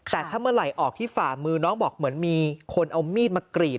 แต่ถ้าเมื่อไหร่ออกที่ฝ่ามือน้องบอกเหมือนมีคนเอามีดมากรีด